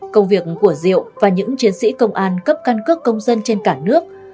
công việc của diệu và những chiến sĩ công an cấp căn cước công dân trên cả nước